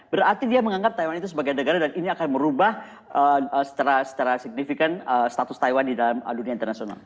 berarti dia menganggap taiwan itu sebagai negara dan ini akan merubah secara signifikan status taiwan di dalam dunia internasional